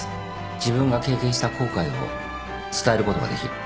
自分が経験した後悔を伝えることができる。